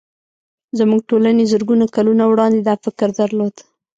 زموږ ټولنې زرګونه کلونه وړاندې دا فکر درلود